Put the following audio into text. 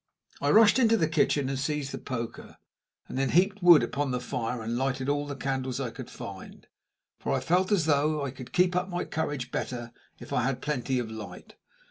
I rushed into the kitchen and seized the poker, and then heaped wood on the fire, and lighted all the candles I could find; for I felt as though I could keep up my courage better if I had plenty of light.